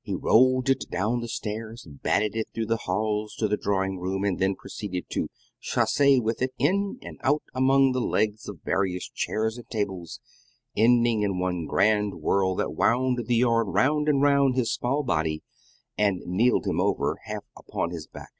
He rolled it down the stairs, batted it through the hall to the drawing room, and then proceeded to 'chasse' with it in and out among the legs of various chairs and tables, ending in one grand whirl that wound the yarn round and round his small body, and keeled him over half upon his back.